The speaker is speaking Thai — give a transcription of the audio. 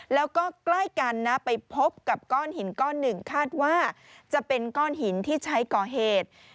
แล้วก็ใกล้กันนะไปพบกับก้อนหินก้อนหนึ่งคาดว่าจะเป็นก้อนหินที่ใช้ก่อเหตุ